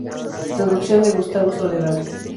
Traducción de Gustavo Soledad.